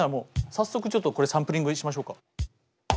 早速ちょっとこれサンプリングしましょうか。